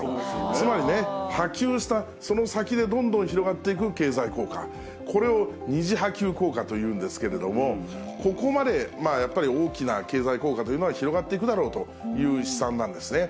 つまりね、波及したその先で、どんどん広がっていく経済効果、これを二次波及効果というんですけれども、ここまでやっぱり大きな経済効果というのが広がっていくだろうという試算なんですね。